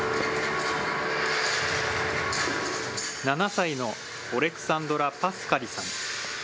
７歳のオレクサンドラ・パスカリさん。